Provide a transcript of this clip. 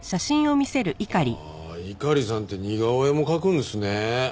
ああ猪狩さんって似顔絵も描くんですね。